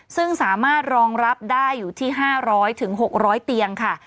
ซึ่งสามารถรองรับได้อยู่ที่๕๐๐๖๐๐เตียงค่ะ